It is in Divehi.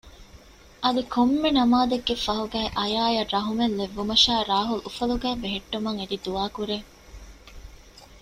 އަދި ކޮންމެ ނަމާދެއްގެ ފަހުގައި އާޔާއަށް ރަހުމަތް ލެއްވުމަށާ ރާހުލް އުފަލުގައި ބެހެއްޓުމަށް އެދި ދުޢާ ކުރޭ